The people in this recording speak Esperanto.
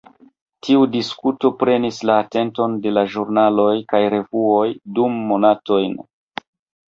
Tiu diskuto prenis la atenton de la ĵurnaloj kaj revuoj dum monatojn.